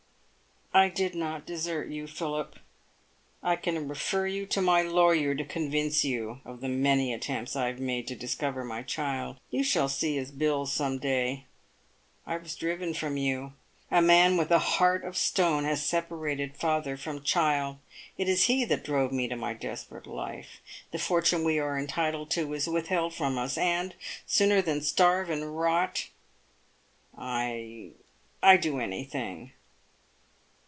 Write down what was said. I did not desert you, Philip. I can refer you to my lawyer to convince you of the many attempts I have made to dis cover my child. You shall see his bills some day. I was driven from you. A man with a heart of stone has separated father from child. It is he that drove me to my desperate life. The fortune we are entitled to is withheld from us, and, sooner than starve and rot, I — I — I — do anything.